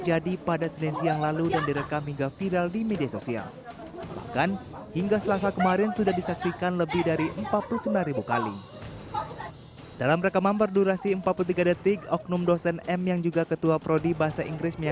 tidak orang yang mau melakukannya